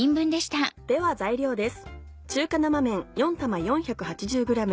では材料です。